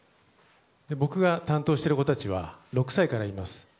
僕が担当している子たちは６歳からいます。